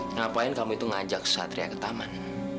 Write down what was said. ngapain kamu itu ngajak kesatria ke taman